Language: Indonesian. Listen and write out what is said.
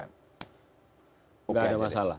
tidak ada masalah